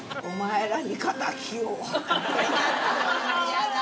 嫌だ！